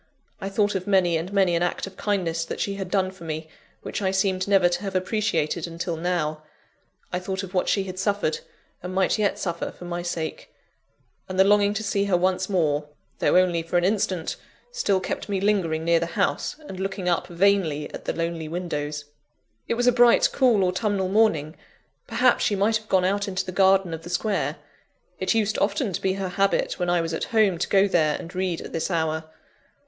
I thought of many and many an act of kindness that she had done for me, which I seemed never to have appreciated until now I thought of what she had suffered, and might yet suffer, for my sake and the longing to see her once more, though only for an instant, still kept me lingering near the house and looking up vainly at the lonely windows. It was a bright, cool, autumnal morning; perhaps she might have gone out into the garden of the square: it used often to be her habit, when I was at home, to go there and read at this hour.